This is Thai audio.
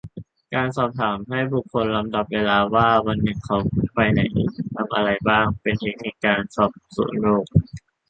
การสอบถามให้บุคคลลำดับเวลาว่าวันหนึ่งเขาไปไหนทำอะไรบ้าง เป็นเทคนิคการสอบสวนโรค